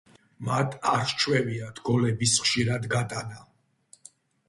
მათ არ სჩვევიათ გოლების ხშირად გატანა.